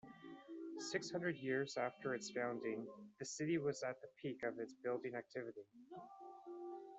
Six hundred years after its founding, the city was at the peak of its building activity.